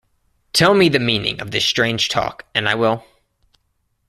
Tell me the meaning of this strange talk, and I will.